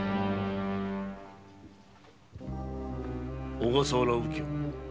小笠原右京。